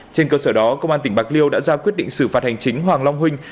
trên cơ sở đó công an tỉnh bạc liêu đã ra quyết định xử phạt hành chính hoàng long huynh